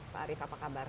pak arief apa kabar